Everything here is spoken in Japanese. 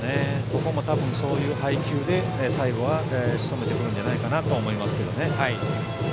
ここも多分、そういう配球で最後は、しとめてくるんじゃないかなと思いますね。